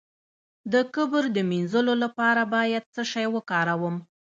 د کبر د مینځلو لپاره باید څه شی وکاروم؟